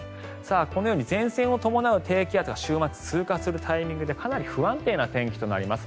このように前線を伴う低気圧が週末、通過するタイミングでかなり不安定な天気となります。